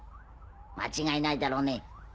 間違いないだろうね？